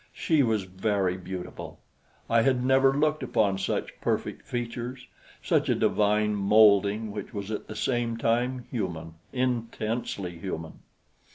She was very beautiful. I had never looked upon such perfect features, such a divine molding which was at the same time human intensely human.